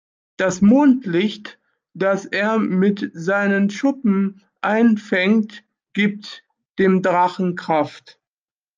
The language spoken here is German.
Das Mondlicht, das er mit seinen Schuppen einfängt, gibt dem Drachen Kraft.